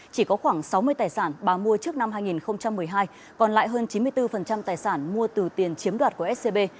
chỉ có khoảng sáu mươi tài sản bà mua trước năm hai nghìn một mươi hai còn lại hơn chín mươi bốn tài sản mua từ tiền chiếm đoạt của scb